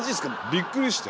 びっくりして。